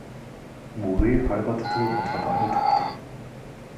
Mouret heiratete und hatte eine Tochter.